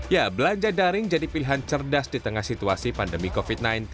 ya belanja daring jadi pilihan cerdas di tengah situasi pandemi covid sembilan belas